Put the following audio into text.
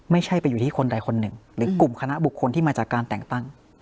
ไม่ใช่ไปอยู่ที่คนใดคนหนึ่งหรือกลุ่มคณะบุคคลที่มาจากการแต่งตั้ง